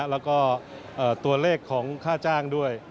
แล้วก็ตัวเลขของค่าจ้างด้วย